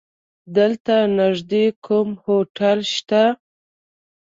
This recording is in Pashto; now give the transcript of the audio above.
دلته نيږدې کوم هوټل شته؟